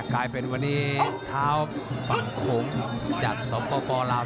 กลายเป็นวันนี้ท้าวฝั่งคงจัด๑๒โปรลุปอลแล้ว